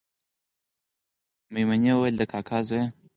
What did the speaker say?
میمونې ویل د کاکا زویه